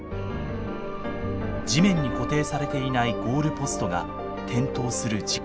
地面に固定されていないゴールポストが転倒する事故。